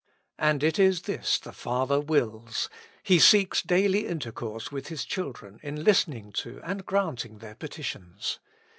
And it is this the Father wills : He seeks daily intercourse with his children in listening to and granting their petitions.